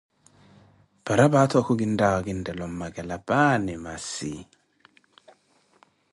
Paraphato okhu kinttaawo kinttela ommakela paani masi?